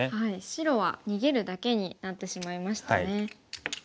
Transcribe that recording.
白は逃げるだけになってしまいましたね。